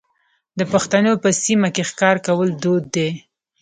د پښتنو په سیمو کې ښکار کول دود دی.